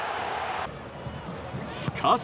しかし。